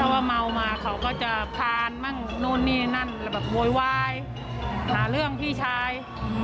ถ้าว่าเมามาเขาก็จะพานมั่งโน้นนี่นั่นแบบโวยวายหลายเรื่องพี่ชายอืม